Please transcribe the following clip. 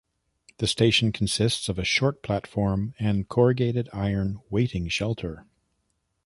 The station consists of a short platform and corrugated iron waiting shelter.